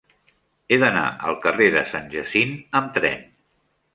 He d'anar al carrer de Sant Jacint amb tren.